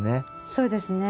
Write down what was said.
そうですね。